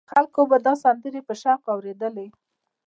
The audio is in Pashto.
خلکو به دا سندرې په شوق اورېدلې.